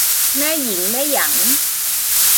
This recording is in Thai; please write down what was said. แม่หญิงแม่หยัง